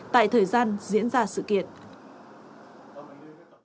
tại thời gian diễn ra sự kiện